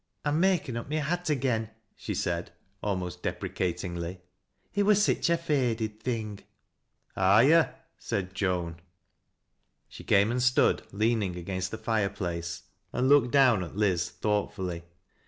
" I'm makin' up my hat agen," she said, almost depre catingly. " It wur sich a faded thing." " Are yo' ?" said Joan. She came and stood leaning against the fire place, and looked down at Liz thoughtfully.